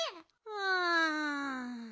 うん。